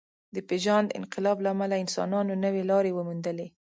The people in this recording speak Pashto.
د پېژاند انقلاب له امله انسانانو نوې لارې وموندلې.